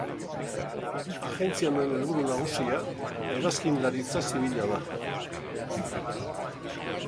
Agentzia honen helburu nagusia hegazkinlaritza zibila da.